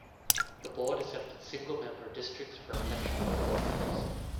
The board accepted single-member districts for election of board members.